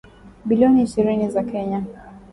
bilioni ishirini za Kenya